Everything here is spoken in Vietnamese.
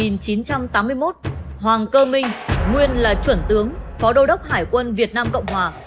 năm một nghìn chín trăm tám mươi một hoàng cơ minh nguyên là chuẩn tướng phó đô đốc hải quân việt nam cộng hòa